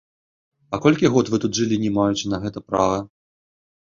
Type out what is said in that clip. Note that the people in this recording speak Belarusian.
А колькі год вы тут жылі, не маючы на гэта права?